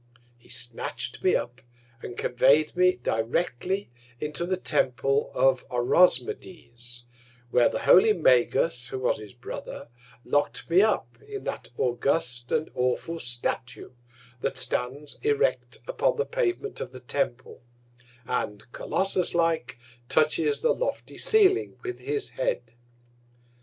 He snatch'd me up, and convey'd me directly into the Temple of Orosmades, where the holy Magus, who was his Brother, lock'd me up in that august and awful Statue, that stands erect upon the Pavement of the Temple, and Colossus like, touches the lofty Ceiling with his Head.